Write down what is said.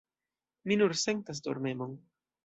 Mi nur sentas dormemon.